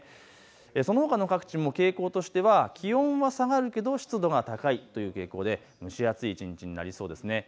そのほかの各地も傾向としては気温は下がるけど湿度が高いという傾向で蒸し暑い一日になりそうです。